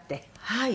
はい。